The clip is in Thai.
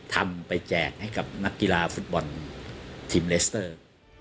ทำไปแจกให้กับนักกีฬาฟุตบอลทีมเลสเตอร์